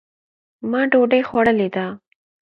ما دوډۍ خوړلې ده